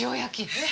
えっ？